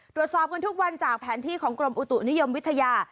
ตรวจสอบกันทุกวันจากแผนที่ของกรมอุตุนิยมวิทยา